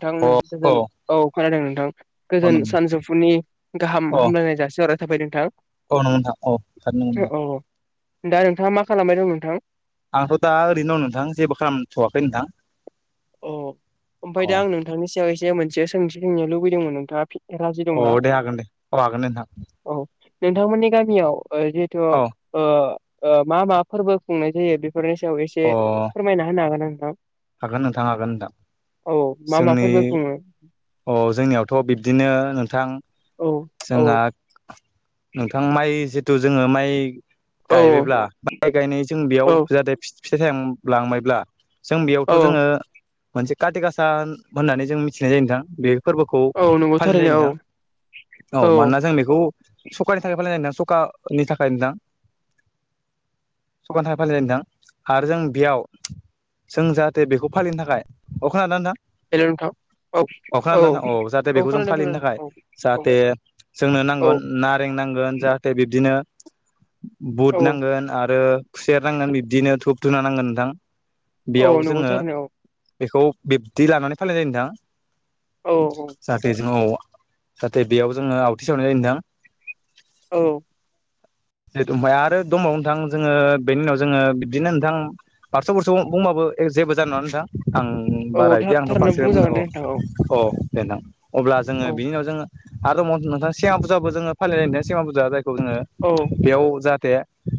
नोंथां गोजोन औ खोनादों नोंथां औ गोजोन नंगौ सानजौफुनि गाहाम अ हामलायनाय जासिर थाबाय नोंथां औ नंगौ नोंथां औ साटनि [unintelligible] औ दा नोंथाङा मा खालामबाय दं नोंथां? आंथ' दा ओरैनो दं नोंथां जेबो खालामथ'वाखै नोंथां। अ औ ओमफाय दा आं नोंथांनि सायाव एसे मोनसे सोंथि सोंनो लुबैदोंमोन नोंथाङा फि अ दे हागोन दे अ हागोन नोंथां। औ नोंथांमोननि गामियाव ओ जिहेथु औ ओ ओ मा मा फोरबो खुंनाय जायो बे फोरनि सायाव एसे अ फोरमायना होनो हागोन ना नोंथां? हागोन नोथां हागोन नोंथां। औ मा मा जोंनि फोरबो खुङो अ जोंनियावथ' बिब्दिनो नोंथां औ औऔ जोंहा नोंथां माइ जिथु जोङो माइ औ गायबायब्ला माइ गायनाय जों बेयाव औ जाहाथे फि फिथाइ थाइयांलांबायब्ला जों औ बेयावथ' जोङो मोनसे काति गासा होन होननानै जों मिथिनाय जायो नोंथां बे फोरबोखौ औ नंगौ फालि जायो थारैनो नोंथां औ औ मानोना जों बेखौ सकानि थाखाय फालिनाय जायो ना सकानि थाखाय दां सखानि थाखाय फालिनाय नोथां आरो जों बेयाव जों जा दे बेखौ फालिनो थाखाय अ खोनादों ना नोंथां? हेल' नोंथां औ अ खोनादों ना नोंथां औ जाहाथे बेखौ जों खोनादों फालिनो खोनादों थाखाय औ जाहाथे जोंनो औ नांगोन नारें नांगोन जाहाथे बिब्दिनो औ बुट नांगोन आरो खुसेर नांगोन बिब्दिनो टुप धुना नांगोन नोंथां। औ बेयाव नंगौ जोङो थोरैनो औ बेखौ बिब्दि लानानै फालिनाय जायो औ नोंथां जाहाथे जोंङाव जाहाथे बेयाव जोङो आवथि सावनाय जायो नोंथां। औ जे थु ओमफाय आरो दंबावो नोंथां जोङो बेनि उनाव जोङो बिदिनो नोंथां बारस' बुरस' बुं बुंबाबो ए जेबो जानाय नङा नोंथां आं औ औ बारा इदि थार आंथ' थारैनो फारसे बुंजागोन दे बुंदों अ नोंथां औ अ दे नों अब्ला जोङो बिनि उनाव जों आरो दंबावो नो नोंथां सेमा फुजाबो जोङो फालिनाय जायो ना सेमा फुजा जाय खौ जोङो औ बेयाव जाहाथे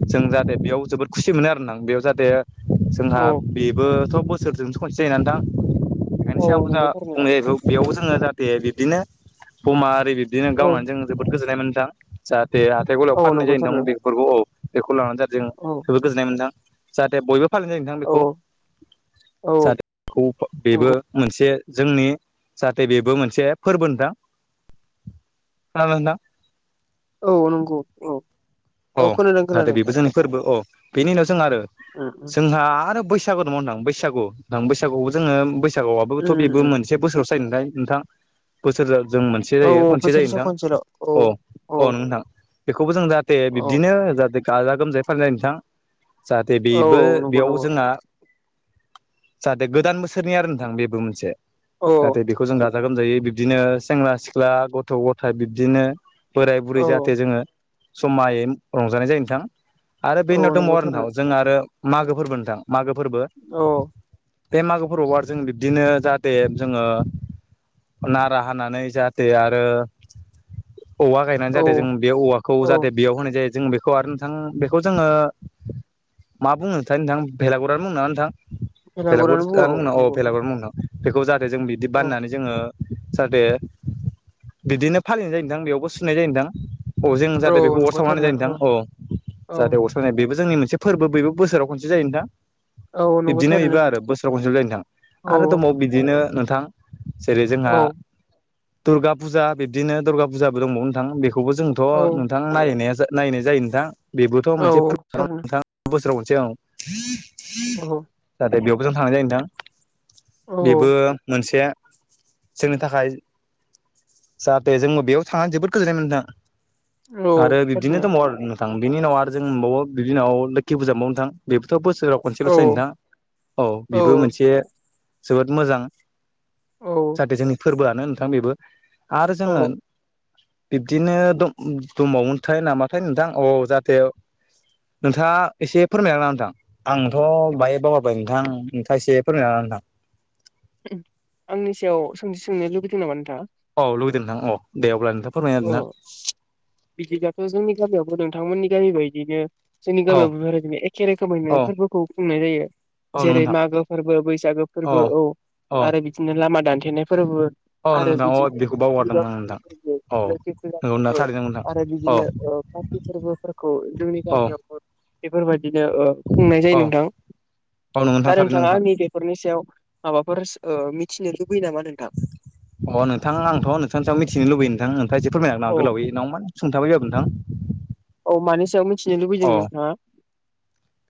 जों जाहाथे बेयाव जोबोद खुसि मोनो आरो ना बेयाव जाहाथे जोंहा औ बो थ' बोसोरजोंसो खनसे जायोना नोंथां ओंखायनो औ सेमा फुजा नंगौ थारैनो बुंनाय जायो बेखौ। बेयावबो जोङो जाहाथे बिब्दिनो बमा ओरि बिब्दिनो औ गावनानै जों जोबोद गोजोननाय मोनो नोंथां जाहाथ थे हाथाय गलायाव औ फाननाय नंगौ जायो नोंथां थारैनो बेफोरखौ औ बेखौ लानानै जाथे जों औ जोबोद गोजोननाय मोनो नोंथां। जाहाथे बयबो फालिनाय जायो नोंथां औ बेखौ औ जाहाथे बेखौ बेबो नंगौ मोनस से जोंनि जाहाथे बेबो मोनसे फोरबो नोंथां। खोनादों नोंथां। औ नंगौ अ अ जाहाथे बेबो जोंनि फोरबो अ बेनि उनाव जों आरो उम उम जोंहा आरो बैस सागु दङो नोंथां बैसागु थां बैसागुआवबो जोङो बैसागुआवबोथ' उम उम बेबो उम मोनसे बोसोरावस जायनो दाय नोंथां बोसोरजो जों मोनसे औ जायो खनसे जायो बोसोरसे नोंथां। खनसेल' औ अ औ अ नंगौ नोंथां बेखौबो जों जाहाथे औ बिब्दिनो जाहाथे गाजा गोमजायै फालिनाय नोंथां जाहाथे औ बेबो नंगौ बेयाव नंगौ जोंहा जाहाथे गोदान बोसोरनि आरो नोंथां बेबो मोनसे औ जाहाथे बेखौ जों गा गाजा गोमजायै बिबदिनो सेंग्रा सिख्ला गथ' गथाय बिब्दिनो बोराय बुरै औ जाहाथे जोङो जमायैम रंजानाय जायो नोंथां आरो औ बेनि उनाव नंगौ दंबावो आरो थारैनो उनाव जोंना आरो मागो फोरबो नोंथां मागो फोरबो औ अ बे मागो फोरबोआव आरो जों बिब्दिनो जाहाथे जोङो नारा हानानै जाहाथे आरो औवा गायनानै औ जादों जों बे औवाखौ औ जाहाते जादों बेयाव होनाय जायो जों बे आरो नोंथां बेखौ जोङो मा बुङो नोंथां भेलागुरानो बुङो नामा नोंथां? भेलागुर भेलागुरानो बुङो मुंनाव औ नंगौ भेलागुर मुंनाव बेखौ जाहाथे जों बिदि बाननानै जोङो जाहाथे बिदिनो फालिनाय जायोदां बेयावबो सुनाय जायोदां। औ जों जाहाथे औ बेखौ अर नंगौ सावनानै थारैनो जायो नोंथां औ औ जाहाथे अर सावनाय बेबो जोंनि मोनसे फोरबो बिबो बोसोराव खनसे जायो नोंथां औ नंगौ बिब्दिनो थारैनो बेबो आरो बोसोराव खनसे जायो नोंथां आरो औ दबाव बिदिनो नोंथां जेरै जोंहा औ दुर्गा फुजा बिब्दिनो दुर्गा फुजाबो दंबावो नोंथां बेखौ बेखौबो जोंथ' औ नोंथांनाय नायनाय जायो नोंथां बेबोथ' मोनसे औ फोरबो थारैनो नोंथां बोसोराव खन [inaudible] [inaudible] दा बेयावबो जों थांनाय जायोै नोंथां औ बेबो मोनसे जोंनि थाखाय जाहाथे जोंबो बेयाव थांनानै जोबोद गोजोननाय मोनदों। औ आरो बिबदिनो थारैनो दबावो आरो नोंथां बिनि उनाव आरो जों मोनबावो बिनि उनाव लोखि फुजा नोंथां बेबोथ' बोसोराव खनसेल' औ जायो नोंथां औ बेबो मोनसे जोबोद मोजां औ जाहाथे जोंनि फोरबोआनो नोंथां बेबो आरो जोङो औ बिब्दिनो दंबावो नोंथां नामाथाय नोंथां औ जाहाथे नोंथाङा एसे फोरमायना ला नोंथां आंथ' बाहाय बावगारबाय नोंथां नोंथाङा एसे फोरमायना होदो नोंथां। आंनि सायाव सोंथि सोंनो लुबैदों नामा नोंथाङा? औ लुगैदों नोंथां औ दे अब्ला अ फोरमायना बिदिबाथ' जोंनि गामियावबो नोंथांमोननि गामि बायदिनो जोंनि होदो नोंथां औ गामियाव बेफोरदिनो एखे रोखोमैनो औ फोरबोखौ खुंनाय जायो। औ नंगौ जेरै नोंथां मागो फोरबो बैसागो फोरबो औ औ आरो बिदिनो लामा दानथेनाय फोरबो। औ आरो नोंथां अ बेखौ बावगारदोंमोन नोंथां बिदिनो [inaudible] औ लोखि फुजा नंगौ नोंथां फोरबो थारैनो नोंथां आरो औ बिदिनो काति फोरबोफोरखौ जोंनि औ गामियावबो बेफोरबायदिनो खुंनाय औ जायो नोंथां औ नंगौ नोंथां दा थारैनो नोंथाङा नोंथां आंनि बेेफोरनि सायाव माबाफोर मिथिनो लुबैयो नामा नोंथां? अह नोंथां आंथ' नोंथां सायाव मिथिनो लुबैयो नोंथां नोंथाङा एसे फोरमायनो हागोन औ गोलावै बा सुथाबै नोंथां [inaudible] औ मानि सायाव मिथिनो लुबैदों अ नोंथाङा?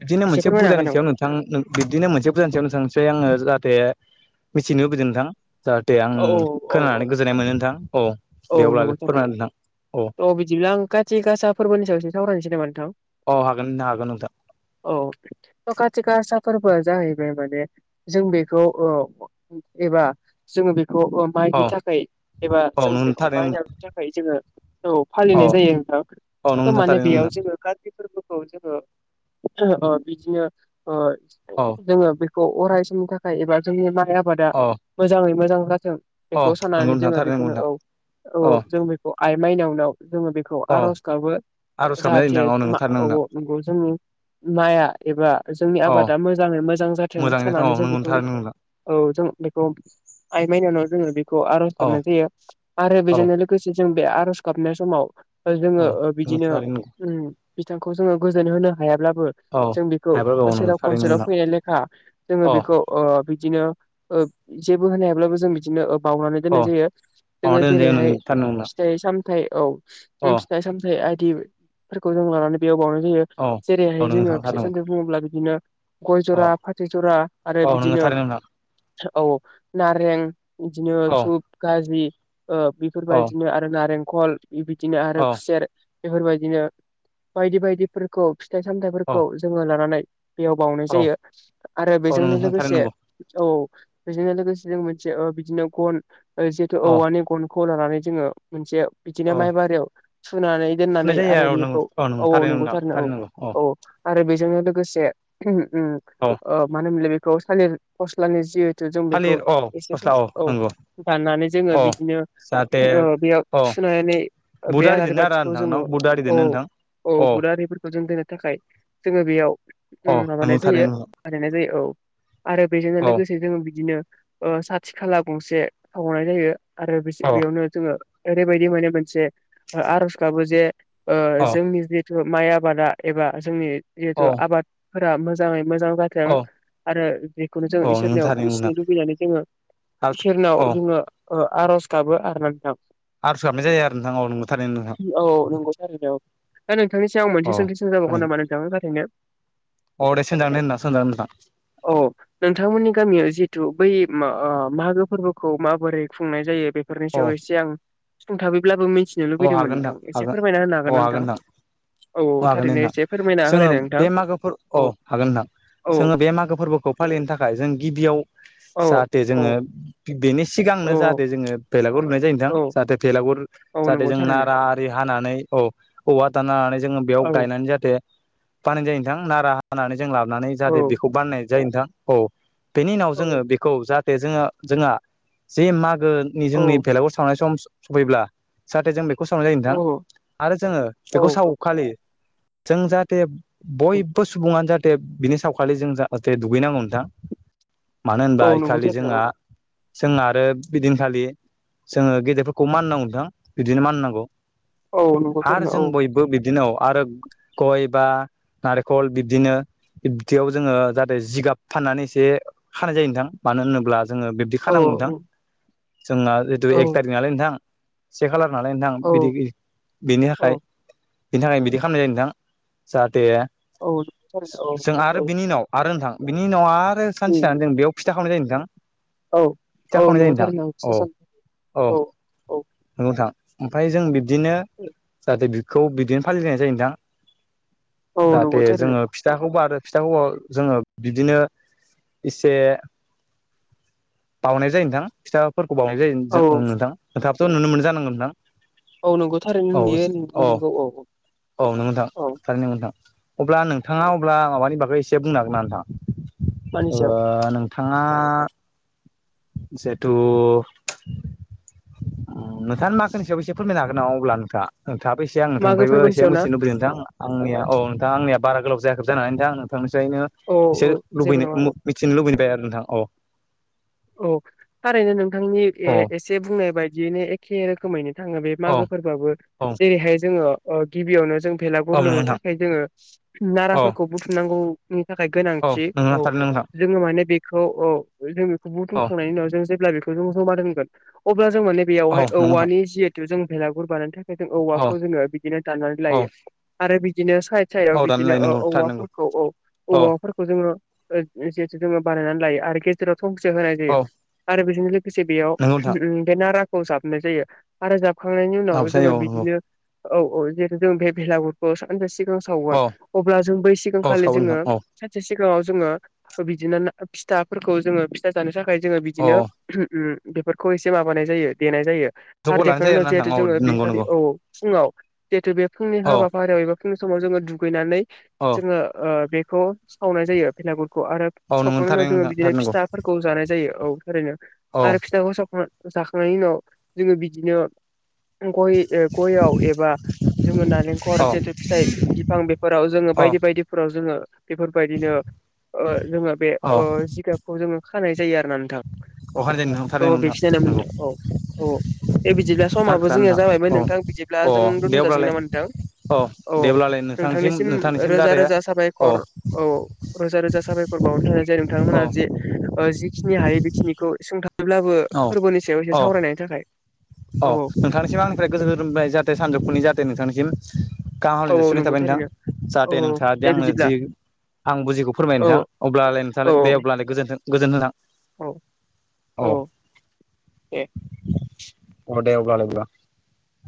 बिदिनो एसे मोनसे फोरमायनो फुजानि हागोन सायाव नोंथां नथां बिदिनो मोनसे फुजानि सायाव नों थांसै आङो जाहाथे मिथिनो लुबैदों नोंथां जाहाथे आं औ औ औ औ खोनानानै गोजोननाय मोनो नोंथां औ औ दे नंगौ अब्लालाय थारैनो फोरमायना नोंथां औ थ' बिदिब्ला आं खाथि गासा फोरबोनि सायावसो सावरायनोसै नामा नोंथां औ हागोन हागोन नोंथां औ [unintelligible] गासा फोरबोआ जाहैबाय माने जों बेखौ एबा जोङो बे औ माइनि थाखाय एबा औ जों नों बेखौ थारैनो माइनो थाखाय जोङो औ फालिनाय जायो औ नंगौ नोंथां माने थारैनो बेयाव नोंथां जोङो कारबि फोरबो जोङो बिदिनो औ जोङो खौ अराय समनि थाखाय एबा जोंनि माइ आबादा औ मोजाङै मोजां जाथों औ बेखौ नंगौ सानानानै नोंथां जोङो थारैनो नंगौ बेखौनो औ नोंथां औ जों बेखौ आइ माइनावनाव जोङो बेखौ औ आर'ज गाबो आर'ज गाबनाय जाहाथे जायो नोंथां औ थारैनो नोंथां नंगौ जोंनि माइआ एबा जोंनि औ आबादा मोजाङै मोजां जाथों मोजाङै नोंथां औ सनानै जों नंगौ बेखौ थारैनो नोंथां औ जों बेखौ आइ माइनावनो जोङो बेखौ आर'ज औ गाबनाय जायो आरो औ बेजोंनो लोगोसे जों बे आर'ज गाबनाय समाव जोङो औ नंगौ बिदिनो थारैनो बिथांखौ जोङो गोजोन होनो हायाब्लाबो औ जों बेखौ हायाब्ला औ नंगौ बोसोराव थारैनो खनसेलाव नोंथां फैनाय लेखा जोङो अ बेखौ बिदिनो जेबो होनो हायाब्लाबो जों बिदिनो बावनानै अ दोननाय जायो अ जोङो दोनजायो जेरैहाय नोंथां थारैनो नोंथां फिथाइ साम अ फिथाइ सामथ आदि जों लानानै बेयाव बनो होयो औ औ जेरैहाय नोंगौ जोङो नोंथां थारैनो फिसा नंगौ सानसेरि बुङोब्ला बिदिनो गय जरा औ फाथै जरा आरो औ नोंगौ बिदिनो थारैनो नोंथां औ नारें दिनो औ सुप गाजि औ बेफोरबायदिनो आरो नारेंखल बिबायदिनो आरो औ खुसेर बेफोरबायदिनो बायदि बायदिफोरखौ फिथाइ औ सामथाइफोरखौ जोङो लानानै बेयाव बावनाय औ जायो आरो औ बेजोंनो नोंथां थारैनो लोगोसे नंगौ औ बेजोंनो लोगोसे जों मोनसे बिदिनो गन जिहेथु औ औवानि खौ लानानै जोङो मोनसे बिदिनो औ माइ बारियाव सुनानै दोननानै थुनाय जायो आरो औ नंगौ बेखौ औ नंगौ औाव थारैनो नोंथां नंगौथारनो औ थारैनो नंगौ औ। आरो बेजोंनो लोगोसे मानो औ होनोमोनलाय बेखौ थालिर फस्लानि जि जों थालिर बेखौ औ एसे फस्ला ससे औ नंगौ दाननानै जोङो औ बिदिनो जाहाथे बेयाव अ सुनानै बुट बे आरि आलारि दोनो आरो बाथिखौ नोंथां जोङो न' बुट आरि औ दोनो नोंथां औ अ बुरा आरिफोरखौ जों दोननो थाखाय जोङो बेयाव औ नंगौ माबानाय जायो थारैनो बानायनाय जायो औ आरो बेजोंनो औ लोगोसे जोङ बिदिनो खाथि खाला गंसे सावावनाय जायो आरो औ बेयावनो जोङो। ओरैबायदि माने मोनसे आर'ज गाबो जे औ जोंनि जि जिथु माइ आबादा एबा जोंनि जिहेथु औ आबादफोरा मोजाङै मोजां जाथों औ आरो बेखौनो जों औ नोंगौ इसोरनियाव थारैनो नोंथां बिसिनो लुबैनानै जोङो। आरज इसोरनाव औ जोङो आर'ज गाबो आरोना नोंथां। आरज गाबनाय जायो आरो नोंथां। औ नंगौ थारैनो नोंथां औ नंगौ थारैनो औ दा नोंथांनि सिायाव मोनसे औ सोंथि सों जाबावगोन खोनायो नामा नोंथांनि खाथायनो औ दे सोंजागोन दे नोंथां सोंजागोन नोंथां औ नोंथांमोननि गामियाव जिथु बै मागो फोरबोखौ माबोरै खुंनाय जायो बेफोरनि औ सायाव एसे आं सुफुं थाबफैब्लाबो मिथिनो औ लुबैदोंमोन हागोन नोंथां एसे हागोन फोरमायना होनो हागोन नोंथां। औ औ हागोन दे थारैनो नोंथां एसे फोरमायना जोङो होलायनाय नोंथां बे मागोफोर हागोन नोंथां औ औ जोङो बे मागो फोरबोखौ फालिनो थाखाय जों गिबियाव औ जाहाथे औ जोङो बेनि सिगांनो औ जाहाथे जोङो भेलागुर लुनाय जायो नोंथां औ जाहाथे भेलागुर औ जाहाथे नंगौ जों थारैनो नारा आरि हानानै औ औवा दानानानै जोङो बेयाव औ गायनानै जाहाथे बानायनाय जायो नोंथां नारा हानानै जों लाबोनानै जाहाथे औ बेखौ बानायनाय जायो नोंथां औ। बेनि उनाव औ जोङो बेखौ जाहाथे जोङो जोंहा जे माग औ जोंनि भेलागुर सावनाय सम सफैब्ला जाहाथे जों बे बेखौ सावनाय जायो नोंथां औ आरो जोङो बेखौ सावखालि जों जाहाथे बयबो सुबुङानो जाहाथे बिनि सावखालि जों जाहाथे दुगैनांगौ नोंथां। मानो होनबा औ नंगौ इखालि जोंहा थारैनो। जों आरो बिदिनखालि जोङो गेदेरफोरखौ मान होनांगौ नोंथां बिदिनो मान होनांगौ। औ नंगौ आरो थारैनो जों औ बयबो बिदिनो आरो गय बा नारेखल बिब्दिनो बिदियाव जोङो जाहाथे जिगाब फाननानै एसे खानाय जायो नोंथां मानो होनोब्ला। जोङो बिबदि खानांगौ औ नोंथां नंगौ थारैनो जोंना जिथु औ एक थारिक नालाय नोंथां से खालार नालाय नोंथां बिदि औ बिनि थाखाय औ बिनि थाखाय बिदि खालामनाय जायो नोंथां जाहाथे औ नंगौ थारैनो जों औ आरो औ बिनि उनाव आरो नोंथां बिनि उनाव आरो उम सानसे थानानै उम जों बेयाव फिथा सावनाय जायो नोंथां। औ फिथा औ खावनाय [unintelligible] जायो नोंथां औ औ औ थां ओमफ्राय जों बिब्दिनो जाहाथे बिखौ बिदिनो फालिनाय जायो नोंथां। औ नंगौ जाहाथे थारैनो जोङो फिथाखौ बारो फिथाखौ जोङो बिदिनो एसे बावनाय जायो नोंथां फिथाफोरखौ बावनाय जायो औ औ नोंथां नोंथाङाथ' नुनो मोनदों जानांगौ औ नंगौ थारैनो नोंथां। औ नुयो नंगौ औ नंगौ औ औ [unintelligible] अब्ला नोंथाङा अब्ला माबानि बागै एसे बुंनो हागोन नामा नोंथां मानि सायाव नोंथांङा जिहेथु नोंथांआ मागोनि सायाव एसे फोरमायना अब्ला नोंथांआ नों थाबोसे मागो आंथांनिफ्रायबो फोरबोनि एसे सायाव ना मिथिनोुबै नोंथां [unintelligible] आंनिया औ नोंथां आंनिार गोलाव जाखोब जानानै थांनि [unintelligible] यनो औ बिसोर औ जेबो नङा लुबैनो मिथिनो लुबैबाय आरो नोंथां औ औ थारैनो नोंथांनि औ एसे बुंनाय बायदियैनो एखे रोखोमैनो थांङो बे औ मागो फोरबाबबबो औ जेरैहाय जोंङो गिबियावनो जों औ भेलागुर नंगौ लुनो नोंथां थाखाय जोंङो औ नाराफोरखौ बुथुमनांगौनि थाखाय औ गोनांथि नोंगौ औ थारैनो नोंथां जोंङो माने बेखौ औ जों बेखौ औ बुथुमखांनायनि उनाव जों जेब्ला बेखौ जों जमा दोनगोन अब्ला जों माने औ बेयावहाय नंगौ नोंथां औवानि जिहेतु जों बेलागुर बानायनो थाखाय जों औ औवाखौ जोङो बिदिनो दाननानै औ लायो आरो बिदिनो साइद साइडआव औ दानो बिदिनो लायो औ नंगौ थारैनांगौ औवाफोरखौ औ औ औवाफोरखौ जोङो जिहेतु जोंङो बानायनानै लायो आरो गेजेराव थंसे होनाय जायो औ आरो बेजों लोगोसे बेयाव नंगौ नोंथां बे नाराखौ जाबनाय जायो आरो जाबखांनायनि उनाव माबो जायो जोंङो औ नंगौ बिदिनो औ औ जेरै जों बेलागुरखौ सानजासे सावगोन औ अब्ला जों बै औ सिगांखालि सावो जोंङो नोंथां औ सानसे सिगां सिगाङाव जोङो बिदिनो फिथाफोरखौ जोङो फिथा जानो थाखाय जोंङो औ बिदिनो बेफोरखौ एसे माबानाय जायो देनाय जायो आरो जगार लानाय देखांनायनि जायो उनाव आरोना नोंथां जिहेथु औ जोंङो बे नंगौ खालि नंगौ औ फुङाव जिहेतु बे फुंनि औ हाबाफारियाव एबा फुंनि समाव जोङो दुगैनानै औ जोङो बे खौ सावनाय जायो भेलागुरखौ आरो औ नंगौ सावखांनायनि उनाव थारैनो जोङो नोंथां बिदिनो थारैनांगौ फिथा जानाय जायो औ थारैनो औ आरो फिथाखौ सावखांनानै जाखांनायनि उनाव जोङो बिदिनो गय गय आव एबा जोङो नालेंखर औ जिहेथु फिथाइ बिफां बेफोराव जोंङो औ बायदि बायदिफोराव जोंङो बेफोरबायदिनो जोंङो बे औ जिगाबखौ जोंङो खानाय जायो आरो ना नोंथां अखानायै जायो नोंथां औ थारैनो नोंथां बेखिनि आनोमोन नंगौ नोंथां औ औ दे बिदिब्ला थार समाबो खोथा जोंनिया नोंथां औ जाबायमोन नोंथां बिदिब्ला अ जों दे दोनथ जाासिगोन अब्लालाय नामा नोंथां औ दे अब्लालाय नोंथांनिसिम रोजा जाहाथे औ रोजा साबायखर औ रोजा रोजा साबायखर बावना [unintelligible] औ नोंथांमोना जे जिखिनि हायो बेखिनिखौ सों जेब्लाबो फोरबोनि सायाव एसे सावरायनायनि थाखाय अ औ नोंथांनिसिम आंनिफ्राय गोजोन हामबाय जाहाथे सानजौफुनि जाहाथे नोंथांनिसिम। गाहाम औ हामलायनाय औ जासिनाय नंगौ थाबाय नोंथां थारैनो औ जाहाथे औ नोंथाङा दि दे आंनो बिदिब्ला जि। आं बुजिखौ फोरमाय औ नोंथां अब्लालाय औ नोंथाङा दे अब्लाय गोजोनथों नोंथां। औ औ दे। अ दे अब्लालाय।